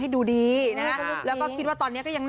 ให้ดูดีแล้วก็คิดว่าตอนนี้ก็ยัง